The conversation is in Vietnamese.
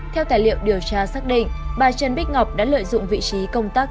theo tài liệu điều tra xác định bà trần bích ngọc đã lợi dụng vị trí công tác